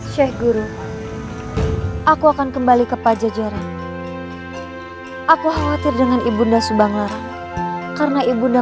sheikh guru aku akan kembali ke pajajaran aku khawatir dengan ibunda subanglar karena ibunda